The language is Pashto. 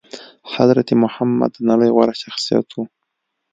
حضرت محمد د نړي غوره شخصيت وو